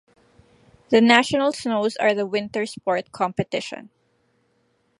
The National Snows are the winter sport competition.